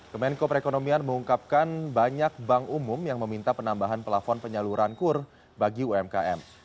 kemenko perekonomian mengungkapkan banyak bank umum yang meminta penambahan pelafon penyaluran kur bagi umkm